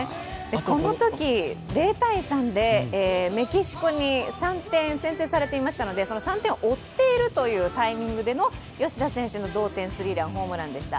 このとき０−３でメキシコに３点先制されていたのでその３点を追っているタイミングでの吉田選手の同点スリーランでした。